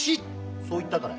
そう言ったからだよ。